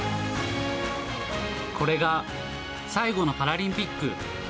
これが、最後のパラリンピック。